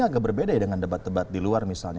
agak berbeda ya dengan debat debat di luar misalnya